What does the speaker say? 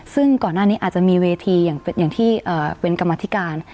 ซึ่งก่อนหน้านี้อาจจะมีเวทีอย่างที่เป็นกรรมธิการ